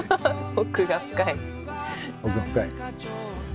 奥が深い。